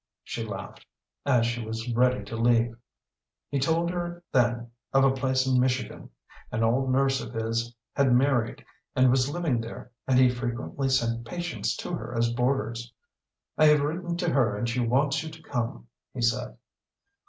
she laughed, as she was ready to leave. He told her then of a place in Michigan. An old nurse of his had married and was living there, and he frequently sent patients to her as boarders. "I have written to her and she wants you to come," he said.